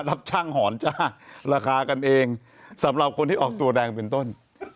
รับช่างหอนจ้าราคากันเองสำหรับคนที่ออกตัวแรงเป็นต้น